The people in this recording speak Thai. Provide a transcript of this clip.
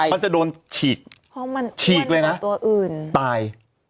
มันจะโดนฉีกฉีกเลยนะตาย